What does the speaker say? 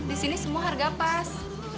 di sini semua harga pas